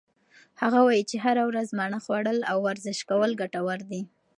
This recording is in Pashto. هغه وایي چې هره ورځ مڼه خوړل او ورزش کول ګټور دي.